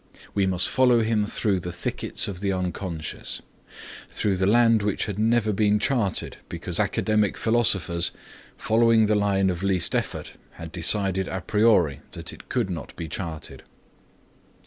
We must follow him through the thickets of the unconscious, through the land which had never been charted because academic philosophers, following the line of least effort, had decided a priori that it could not be charted.